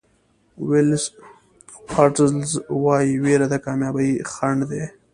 ولېس واټلز وایي وېره د کامیابۍ خنډ ده.